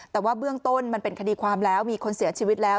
แต่ว่าเบื้องต้นมันเป็นคดีความแล้วมีคนเสียชีวิตแล้ว